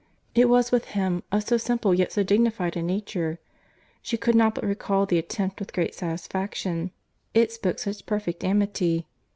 —It was with him, of so simple, yet so dignified a nature.—She could not but recall the attempt with great satisfaction. It spoke such perfect amity.